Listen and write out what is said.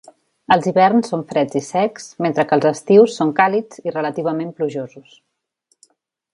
Els hiverns són freds i secs, mentre que els estius són càlids i relativament plujosos.